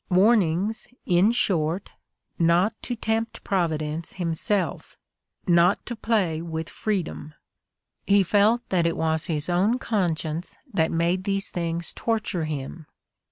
Warnings, in short, not to tempt Providence himself, not to play with freedom ! "He felt that it was his own conscience that made these things torture him.